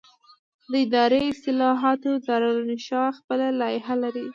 د اداري اصلاحاتو دارالانشا خپله لایحه لري.